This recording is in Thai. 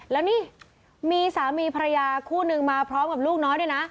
แล้วนี่มีสามีภรรยาคู่นึงมาพร้อมกับลูกน้อยด้วยนะ